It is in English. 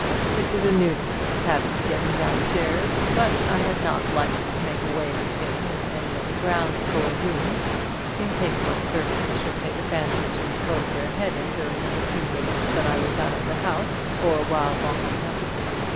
It was a nuisance having to get him downstairs, but I had not liked to make away with him in any of the ground floor rooms, in case my servant should take a fancy to poke his head in during the few minutes that I was out of the house, or while locking up.